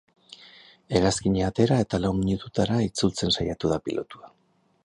Hegazkina atera eta lau minutura itzultzen saiatu da pilotua.